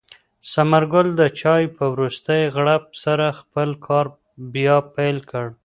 ثمر ګل د چای په وروستۍ غړپ سره خپل کار بیا پیل کړ.